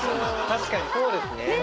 確かにそうですね。